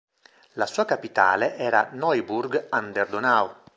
La sua capitale era Neuburg an der Donau.